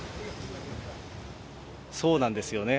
そうなんですよね。